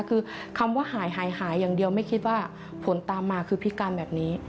คือคำว่าหายหายอย่างเดียวไม่คิดว่าผลตามมาคือพิการแบบนี้